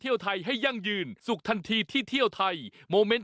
หนึ่งกัญญาโยนวันสืบนาคัทเสถียรนับว่าเป็นปีที่สามสิบสามแล้วนะคะ